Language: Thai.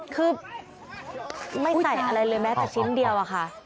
คือไม่ใส่อะไรเลยแม้แต่ชิ้นเดียวอะค่ะ